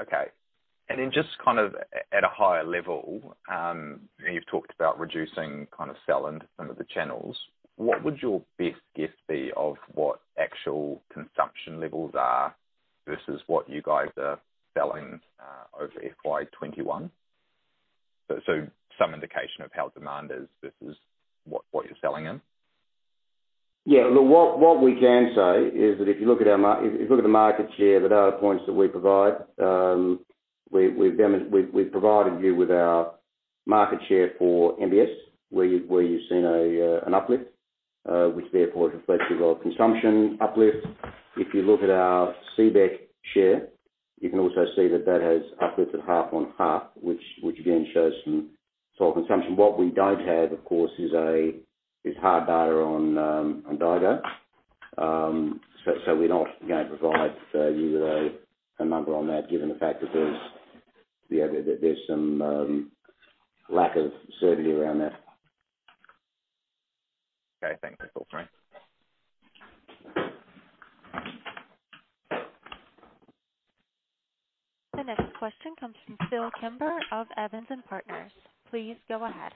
Okay. Just at a higher level, you've talked about reducing sell into some of the channels. What would your best guess be of what actual consumption levels are versus what you guys are selling over FY 2021? Some indication of how demand is versus what you're selling them. Look, what we can say is that if you look at the market share, the data points that we provide, we've provided you with our market share for MBS, where you've seen an uplift, which therefore reflects your consumption uplift. If you look at our CBEC share, you can also see that that has uplifted half on half, which again shows some solid consumption. What we don't have, of course, is hard data on daigou. We're not going to provide you with a number on that given the fact that there's some lack of certainty around that. Okay, thanks. That's all for me. The next question comes from Phillip Kimber of Evans and Partners. Please go ahead.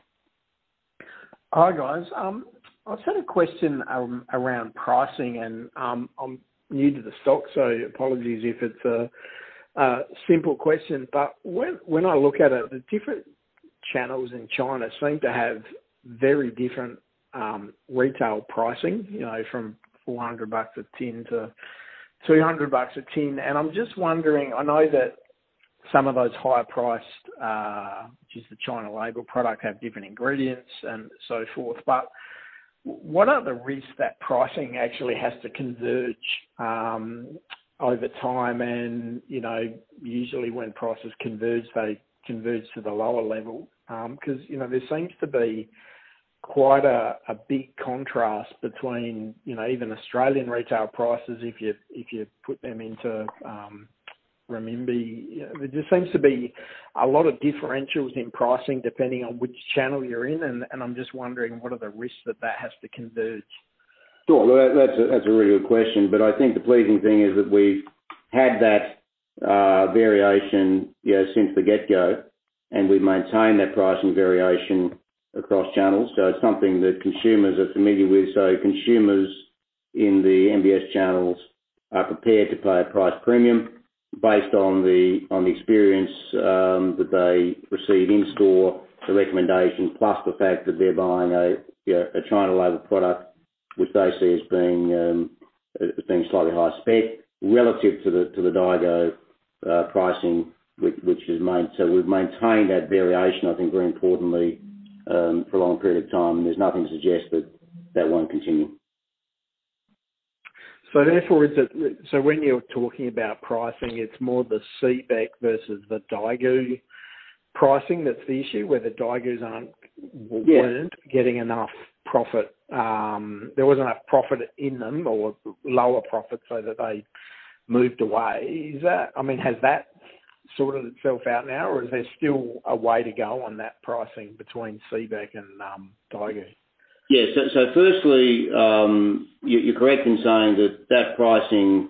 Hi, guys. I just had a question around pricing and I'm new to the stock, so apologies if it's a simple question. When I look at it, the different channels in China seem to have very different retail pricing, from 400 bucks a tin to 300 bucks a tin. I'm just wondering, I know that some of those higher priced, which is the China label product, have different ingredients and so forth. What are the risks that pricing actually has to converge over time and usually when prices converge, they converge to the lower level? There seems to be quite a big contrast between even Australian retail prices if you put them into renminbi. There seems to be a lot of differentials in pricing depending on which channel you're in, and I'm just wondering what are the risks that that has to converge? Sure. That's a really good question. I think the pleasing thing is that we've had that variation since the get-go, and we've maintained that pricing variation across channels. It's something that consumers are familiar with. Consumers in the MBS channels are prepared to pay a price premium based on the experience that they receive in-store, the recommendation, plus the fact that they're buying a China label product, which they see as being slightly higher spec relative to the daigou pricing, which is made. We've maintained that variation, I think very importantly, for a long period of time. There's nothing to suggest that that won't continue. Therefore, when you're talking about pricing, it's more the CBEC versus the daigou pricing that's the issue, where the daigous weren't getting enough profit. There wasn't enough profit in them or lower profit so that they moved away. Has that sorted itself out now or is there still a way to go on that pricing between CBEC and daigou? Firstly, you're correct in saying that that pricing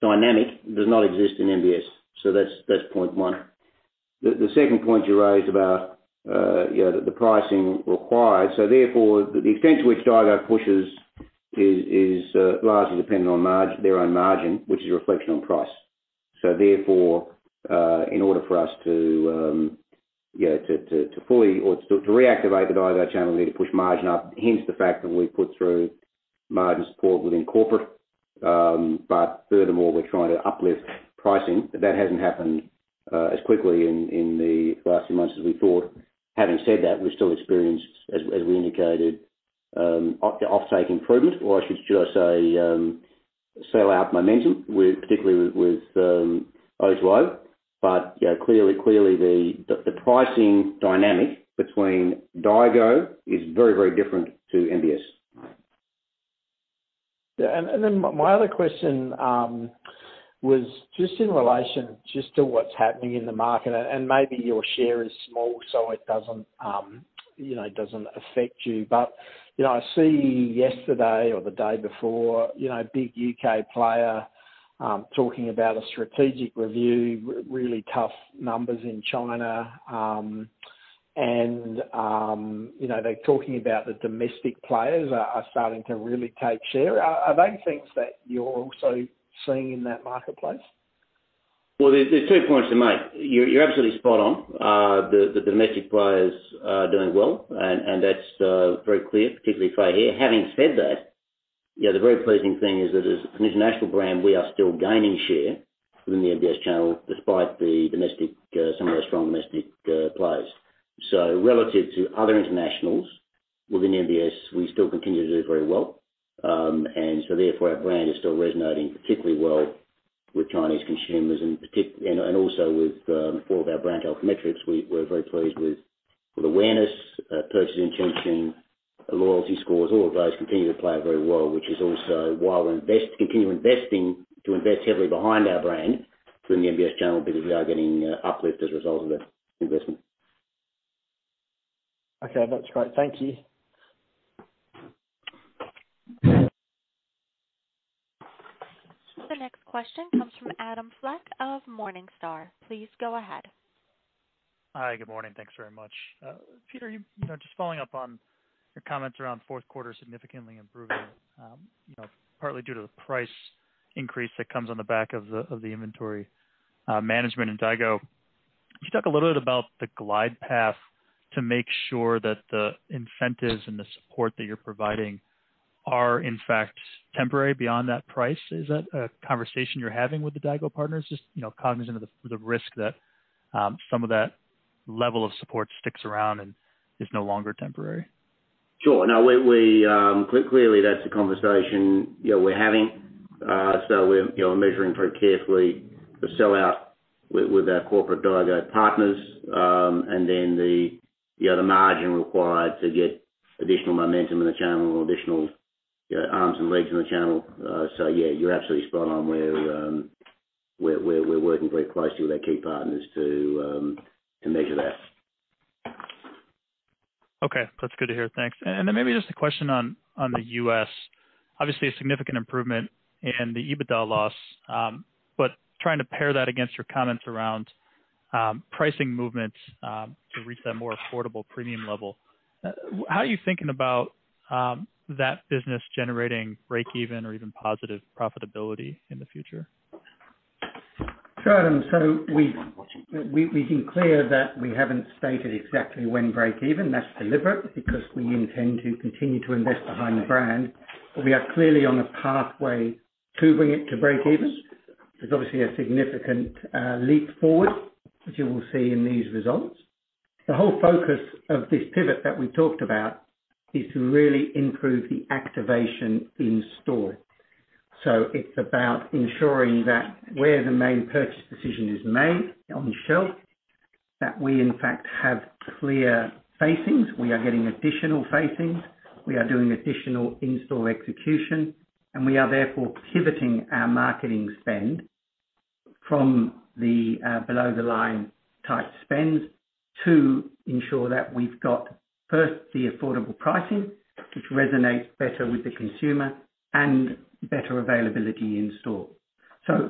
dynamic does not exist in MBS. That's point one. The second point you raised about the pricing required, therefore, the extent to which daigou pushes is largely dependent on their own margin, which is a reflection on price. Therefore, in order for us to reactivate the daigou channel, we need to push margin up, hence the fact that we've put through margin support within corporate. Furthermore, we're trying to uplift pricing, that hasn't happened as quickly in the last few months as we thought. Having said that, we've still experienced, as we indicated, off-take improvement, or should I say, sell out momentum, particularly with O2O. Clearly, the pricing dynamic between daigou is very, very different to MBS. Yeah. My other question was just in relation just to what's happening in the market, and maybe your share is small, so it doesn't affect you. I see yesterday or the day before, big U.K. player talking about a strategic review, really tough numbers in China. They're talking about the domestic players are starting to really take share. Are they things that you're also seeing in that marketplace? There's two points to make. You're absolutely spot on. The domestic players are doing well, and that's very clear, particularly Feihe. Having said that, the very pleasing thing is that as an international brand, we are still gaining share within the MBS channel despite some of the strong domestic players. Relative to other internationals within MBS, we still continue to do very well. Therefore, our brand is still resonating particularly well with Chinese consumers and also with four of our brand health metrics. We're very pleased with awareness, purchase intention, loyalty scores, all of those continue to play very well, which is also why we continue to invest heavily behind our brand within the MBS channel because we are getting uplift as a result of that investment. Okay. That's great. Thank you. The next question comes from Adam Fleck of Morningstar. Please go ahead. Hi. Good morning. Thanks very much. Peter, just following up on your comments around fourth quarter significantly improving, partly due to the price increase that comes on the back of the inventory management in daigou. Can you talk a little bit about the glide path to make sure that the incentives and the support that you're providing are in fact temporary beyond that price? Is that a conversation you're having with the daigou partners? Just cognizant of the risk that some of that level of support sticks around and is no longer temporary. Sure. Clearly, that's a conversation we're having. We're measuring very carefully the sell-out with our corporate daigou partners, and then the margin required to get additional momentum in the channel or additional arms and legs in the channel. Yeah, you're absolutely spot on. We're working very closely with our key partners to measure that. Okay. That's good to hear. Thanks. Then maybe just a question on the U.S. Obviously, a significant improvement in the EBITDA loss, but trying to pair that against your comments around pricing movements to reach that more affordable premium level. How are you thinking about that business generating breakeven or even positive profitability in the future? We've been clear that we haven't stated exactly when break even. That's deliberate, because we intend to continue to invest behind the brand. We are clearly on a pathway to bring it to break even. There's obviously a significant leap forward, which you will see in these results. The whole focus of this pivot that we talked about is to really improve the activation in store. It's about ensuring that where the main purchase decision is made, on the shelf, that we in fact have clear facings. We are getting additional facings, we are doing additional in-store execution, and we are therefore pivoting our marketing spend from the below the line type spend to ensure that we've got, first, the affordable pricing, which resonates better with the consumer, and better availability in store.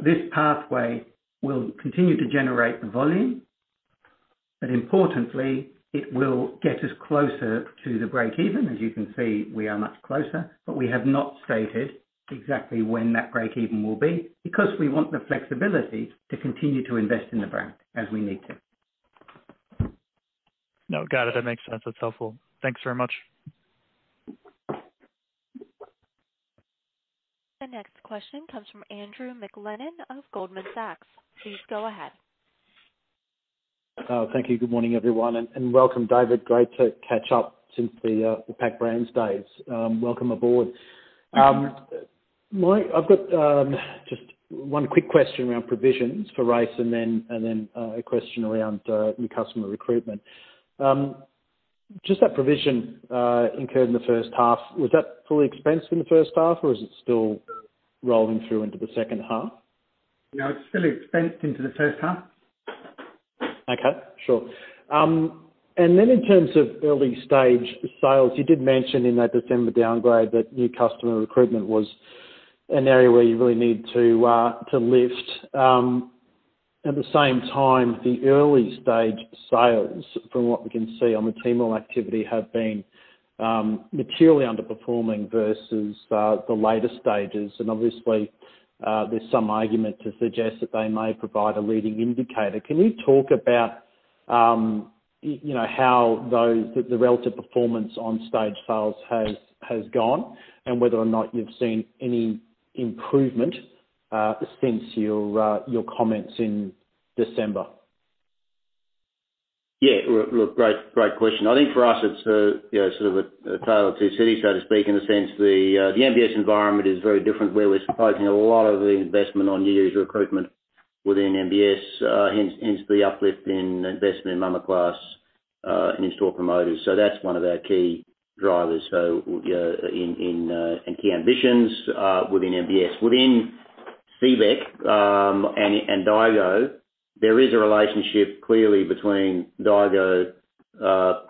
This pathway will continue to generate the volume, but importantly, it will get us closer to the breakeven. As you can see, we are much closer. We have not stated exactly when that breakeven will be, because we want the flexibility to continue to invest in the brand as we need to. No, got it. That makes sense. That's helpful. Thanks very much. The next question comes from Andrew McLennan of Goldman Sachs. Please go ahead. Thank you. Good morning, everyone, and welcome, David. Great to catch up since the Pacific Brands days. Welcome aboard. I've got just one quick question around provisions for Race, and then a question around new customer recruitment. Just that provision incurred in the first half, was that fully expensed in the first half, or is it still rolling through into the second half? No, it's fully expensed into the first half. Okay, sure. In terms of early-stage sales, you did mention in that December downgrade that new customer recruitment was an area where you really need to lift. At the same time, the early-stage sales, from what we can see on the team activity, have been materially underperforming versus the later stages. Obviously, there's some argument to suggest that they may provide a leading indicator. Can you talk about how the relative performance on stage sales has gone, and whether or not you've seen any improvement since your comments in December? Yeah. Look, great question. I think for us it's sort of a tale of two cities, so to speak, in the sense the MBS environment is very different, where we're supposing a lot of the investment on new user recruitment within MBS, hence the uplift in investment in māmā class and in-store promoters. That's one of our key drivers and key ambitions within MBS. Within CBEC and daigou, there is a relationship clearly between daigou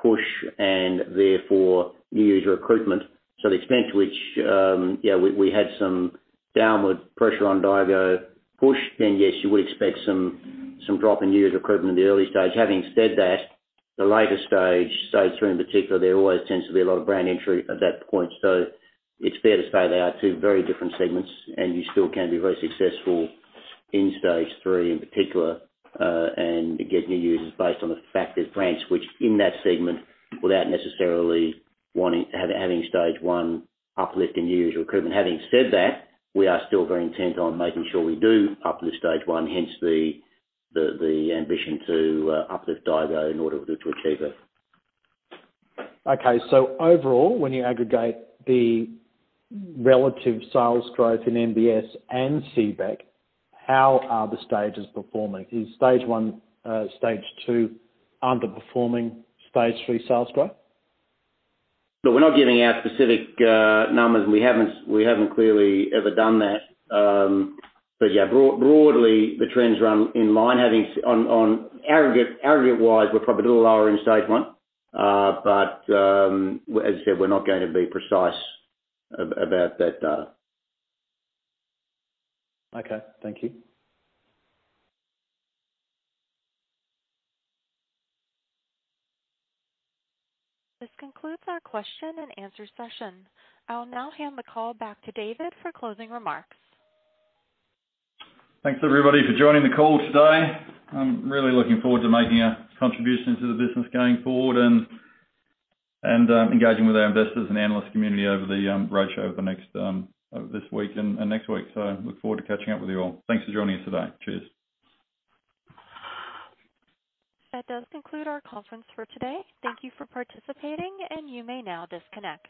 push and therefore new user recruitment. The extent to which we had some downward pressure on daigou push, then yes, you would expect some drop in new user recruitment in the early stage. Having said that, the later stage three in particular, there always tends to be a lot of brand entry at that point. It's fair to say they are two very different segments, and you still can be very successful in stage 3 in particular, and get new users based on the fact that brands switch in that segment without necessarily having stage 1 uplift in new user recruitment. Having said that, we are still very intent on making sure we do uplift stage 1, hence the ambition to uplift daigou in order to achieve it. Okay. Overall, when you aggregate the relative sales growth in MBS and CBEC, how are the stages performing? Is stage 1, stage 2 underperforming stage 3 sales growth? Look, we're not giving out specific numbers, and we haven't clearly ever done that. Yeah, broadly, the trends run in line. Aggregate-wise, we're probably a little lower in stage 1. As you said, we're not going to be precise about that data. Okay, thank you. This concludes our question and answer session. I'll now hand the call back to David for closing remarks. Thanks everybody for joining the call today. I'm really looking forward to making a contribution to the business going forward and engaging with our investors and analyst community over the roadshow over this week and next week. Look forward to catching up with you all. Thanks for joining us today. Cheers. That does conclude our conference for today. Thank you for participating, and you may now disconnect.